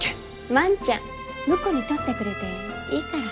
万ちゃん婿に取ってくれていいから。